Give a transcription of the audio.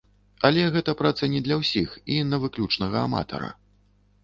Але гэта праца не для ўсіх і на выключнага аматара.